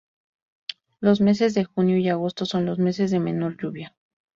Los meses de junio y agosto son los meses de menor lluvia.